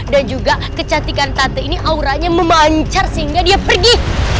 dan juga kecantikan tante ini auranya memancar sehingga dia pergi